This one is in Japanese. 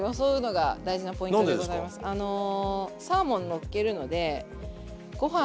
あのサーモンのっけるのでご飯